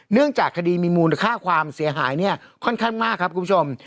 เนื่องจากคดีมีมูลค่าความเสียหายเนี่ยค่อนข้างมากครับคุณผู้ชม